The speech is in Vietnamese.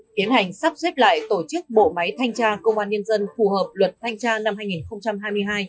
tiến hành sắp xếp lại tổ chức bộ máy thanh tra công an nhân dân phù hợp luật thanh tra năm hai nghìn hai mươi hai